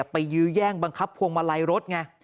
ไปยืนย่งบังคับวงมาลัยรถ